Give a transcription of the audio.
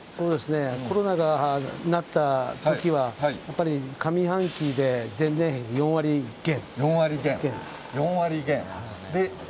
コロナになったときは前年比４割減。